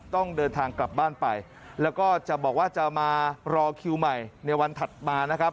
ต้องเดินทางกลับบ้านไปแล้วก็จะบอกว่าจะมารอคิวใหม่ในวันถัดมานะครับ